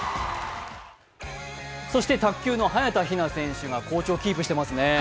そして卓球の早田ひな選手が好調をキープしてますね。